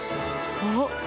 おっ！